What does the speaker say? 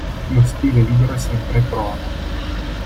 Lo stile libero è sempre prono.